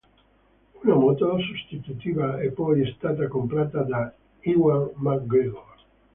Una moto sostitutiva è poi stata comprata da Ewan McGregor.